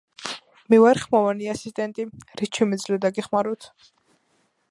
მე ვარ ხმოვანი ასისტენტი, რით შემიძლია დაგეხმაროთ.